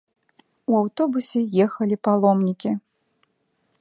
У аўтобусе ехалі паломнікі.